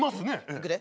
いくで。